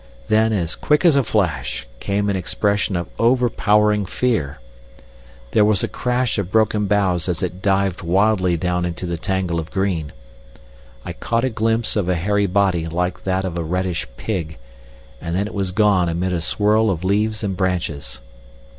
Then, as quick as a flash, came an expression of overpowering fear. There was a crash of broken boughs as it dived wildly down into the tangle of green. I caught a glimpse of a hairy body like that of a reddish pig, and then it was gone amid a swirl of leaves and branches.